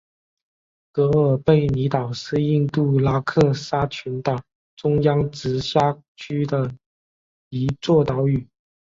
格尔贝尼岛是印度拉克沙群岛中央直辖区的一座岛屿。